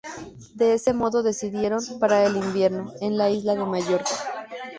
De ese modo, decidieron parar el "invierno" en la isla de Mallorca.